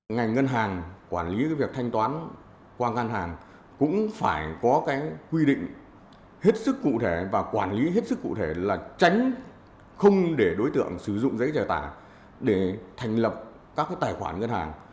ngành ngân hàng quản lý việc thanh toán qua ngân hàng cũng phải có quy định hết sức cụ thể và quản lý hết sức cụ thể là tránh không để đối tượng sử dụng giấy trả tả để thành lập các tài khoản ngân hàng